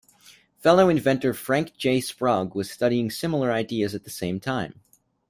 Fellow inventor Frank J. Sprague was studying similar ideas at the same time.